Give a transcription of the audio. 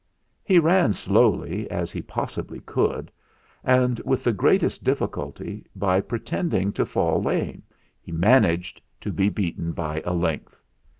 He ran slowly as he possibly could, and with the greatest difficulty, by pre tending to fall lame, he managed to be beaten by a length.